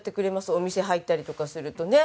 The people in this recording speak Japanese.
お店入ったりとかするとね。